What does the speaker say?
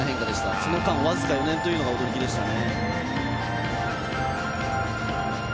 その間、僅か４年というのが驚きでしたね。